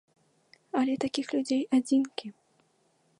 Але такіх людзей адзінкі.